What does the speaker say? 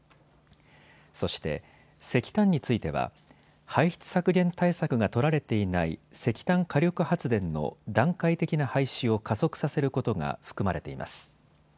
そして、石炭については排出削減対策が取られていない石炭火力発電の段階的な廃止を加速させることが含まれています。